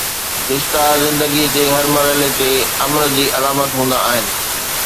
رشتا زندگيءَ جي هر مرحلي تي امن جي علامت هوندا آهن.